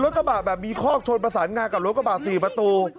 กระบะแบบมีคอกชนประสานงากับรถกระบะ๔ประตู